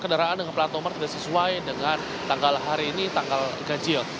kendaraan dengan pelatomar tidak sesuai dengan tanggal hari ini tanggal gajil